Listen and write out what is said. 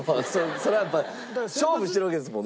そりゃやっぱ勝負してるわけですもんね。